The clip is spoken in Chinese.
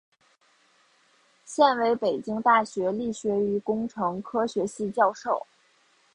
现为北京大学力学与工程科学系教授。